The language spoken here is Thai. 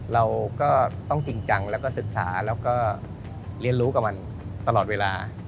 เราก็ต้องจริงจังแล้วก็ศึกษาแล้วก็เรียนรู้กับมันตลอดเวลา